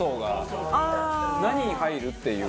何入る？っていう。